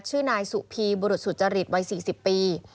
ชื่อนายสุพีบุรุษสุจริตวัย๔๐ปี